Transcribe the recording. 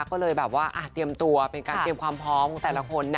ก็เลยแบบว่าเตรียมตัวเป็นการเตรียมความพร้อมของแต่ละคนนะ